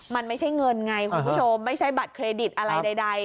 มันไม่ใช่เงินไงคุณผู้ชมไม่ใช่บัตรเครดิตอะไรใด